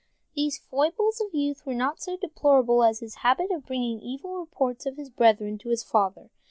These foibles of youth were not so deplorable as his habit of bringing evil reports of his brethren to his father.